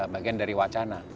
bagian dari wacana